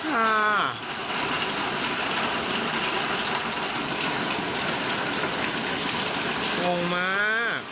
โหมา